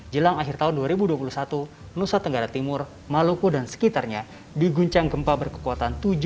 jelang akhir tahun dua ribu dua puluh satu nusa tenggara timur maluku dan sekitarnya diguncang gempa berkekuatan tujuh